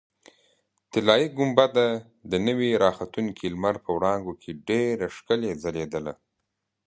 طلایي ګنبده د نوي راختونکي لمر په وړانګو کې ډېره ښکلې ځلېدله.